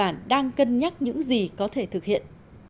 quân đội nhật bản đang cân nhắc những gì có thể thực hiện